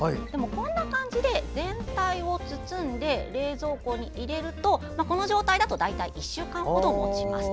こんな感じで全体を包んで、冷蔵庫に入れるとこの状態だと大体１週間ほどもちます。